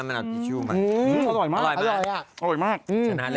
มันเอาทิชชูมา